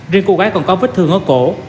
riêng cô gái còn có vết thương ở cổ